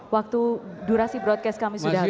waktu durasi broadcast kami sudah habis